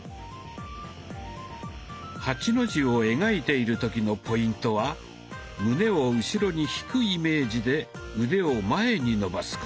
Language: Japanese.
８の字を描いている時のポイントは胸を後ろに引くイメージで腕を前に伸ばすこと。